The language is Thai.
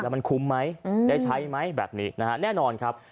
มันคุ้มไหมได้ใช้ไหมแบบนี้นะฮะแน่นอนครับ